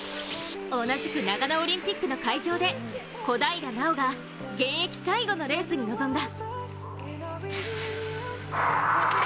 同じく長野オリンピックの会場で小平奈緒が、現役最後のレースに臨んだ。